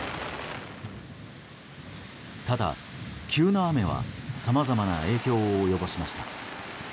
ただ急な雨はさまざまな影響を及ぼしました。